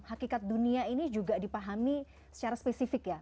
hakikat dunia ini juga dipahami secara spesifik ya